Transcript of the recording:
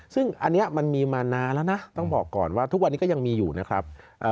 ซึ่งอันนี้มันมีมานานแล้วนะต้องบอกก่อนว่าทุกวันนี้ก็ยังมีอยู่นะครับ